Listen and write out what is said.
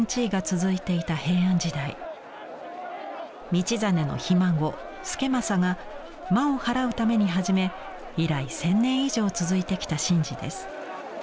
道真のひ孫輔正が魔をはらうために始め以来千年以上続いてきた神事です。